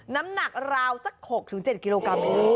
น้ำหนักราวสัก๖๗กิโลกรัมเอง